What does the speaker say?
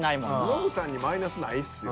ノブさんにマイナスないっすよ。